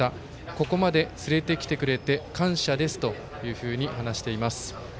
ここまで、つれてきてくれて感謝ですというふうに話しています。